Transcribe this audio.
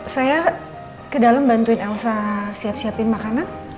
saya ke dalam bantuin elsa siap siapin makanan